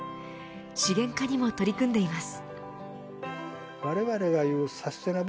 資源化にも取り組んでいます。